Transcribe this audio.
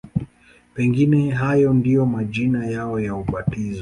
Pengine hayo ndiyo majina yao ya ubatizo.